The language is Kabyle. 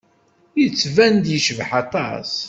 Yettban-d yecbeḥ aṭas.